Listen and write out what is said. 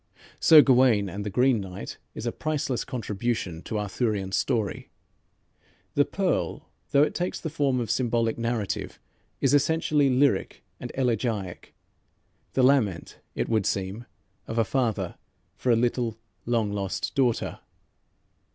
"Sir Gawayne and the Green Knight" is a priceless contribution to Arthurian story. "The Pearl," though it takes the form of symbolic narrative, is essentially lyric and elegiac, the lament, it would seem, of a father for a little, long lost daughter.